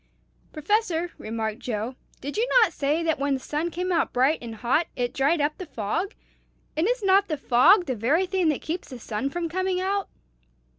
"Professor," remarked Joe, "did you not say that when the sun came out bright and hot, it dried up the fog? and is not the fog the very thing that keeps the sun from coming out?"